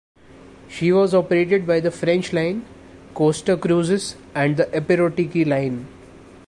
She was operated by the French Line, Costa Cruises, and the Epirotiki Line.